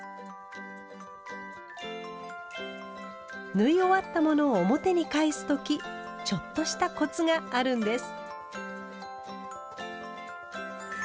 縫い終わったものを表に返す時ちょっとしたコツがあるんです。